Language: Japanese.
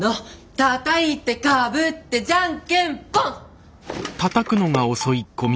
たたいてかぶってじゃんけんぽん！